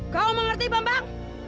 kau mengerti bambang